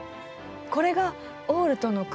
これがオールトの雲なの？